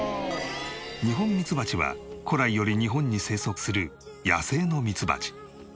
ニホンミツバチは古来より日本に生息する野生のミツバチ。